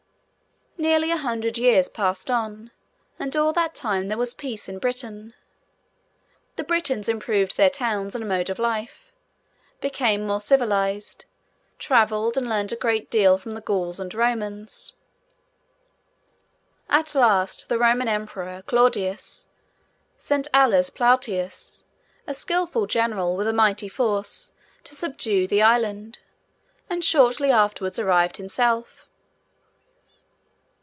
Nearly a hundred years passed on, and all that time, there was peace in Britain. The Britons improved their towns and mode of life: became more civilised, travelled, and learnt a great deal from the Gauls and Romans. At last, the Roman Emperor, Claudius, sent Aulus Plautius, a skilful general, with a mighty force, to subdue the Island, and shortly afterwards arrived himself.